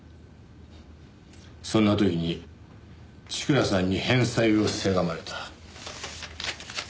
そんな時に千倉さんに返済をせがまれた。